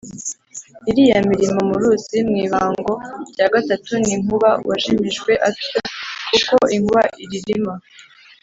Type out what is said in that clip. iriya miririmo muruzi mw’ibango rya gatatu, ni nkuba wajimijwe atyo, kuko inkuba iririma.